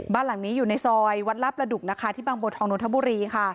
บ้านหลังนี้อยู่ในซอยวัดลาประดุกนะคะที่บางบัวทองนนทบุรีค่ะ